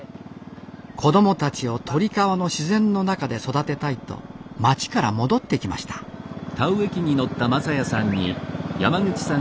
子どもたちを鳥川の自然の中で育てたいと街から戻ってきましたそれで植え付け。